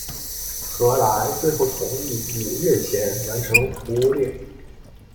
何来最后同意五月前完成服务令。